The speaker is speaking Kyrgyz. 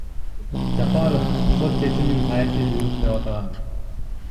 Жапаров сот чечимин саясий буйрук деп атаган.